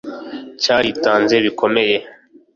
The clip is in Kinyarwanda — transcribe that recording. cyaritanze bikomeye